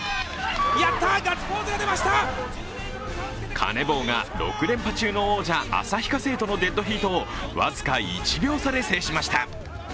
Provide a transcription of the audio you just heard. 鐘紡が６連覇中の王者旭化成とのデッドヒートを僅か１秒差で制しました。